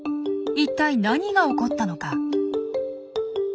一体何が起こったのか？